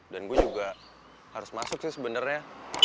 dan gue juga harus masuk sih sebenernya